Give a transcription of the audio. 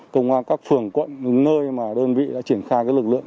công an các phường quận nơi mà đơn vị đã triển khai lực lượng